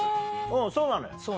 うんそうなのよ。